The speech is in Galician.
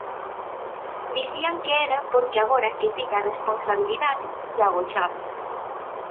Dicían que era porque, agora que tiña a responsabilidade, se agochaba.